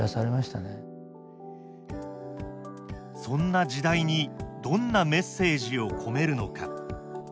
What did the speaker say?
そんな時代にどんなメッセージを込めるのか。